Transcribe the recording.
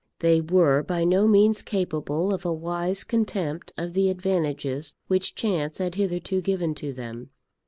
They were by no means capable of a wise contempt of the advantages which chance had hitherto given to them.